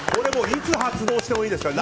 いつ発動してもいいですから。